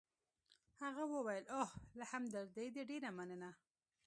هغه وویل: اوه، له همدردۍ دي ډېره مننه.